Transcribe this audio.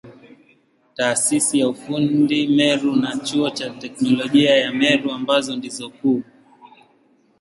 Taasisi ya ufundi Meru na Chuo cha Teknolojia ya Meru ambazo ndizo kuu.